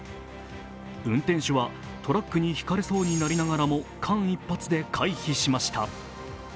運転手はトラックにひかれそうになりながらも間一髪で回避しました。